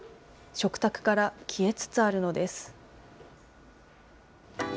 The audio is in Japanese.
食卓から消えつつあるのです。